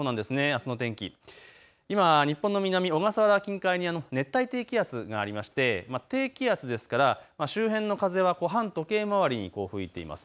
あすの天気、今、日本の南小笠原近海に熱帯低気圧がありまして低気圧ですから周辺の風は反時計回りに吹いています。